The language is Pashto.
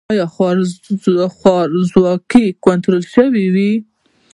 آیا خوارځواکي کنټرول شوې؟